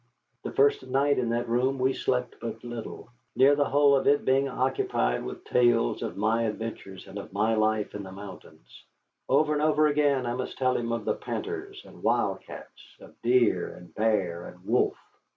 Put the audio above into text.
The first night in that room we slept but little, near the whole of it being occupied with tales of my adventures and of my life in the mountains. Over and over again I must tell him of the "painters" and wildcats, of deer and bear and wolf.